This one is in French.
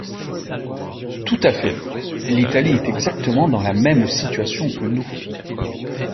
Tout à fait ! L’Italie est exactement dans la même situation que nous.